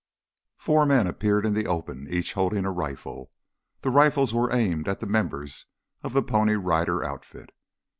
Four men appeared in the open, each holding a rifle. The rifles were aimed at the members of the Pony Rider outfit.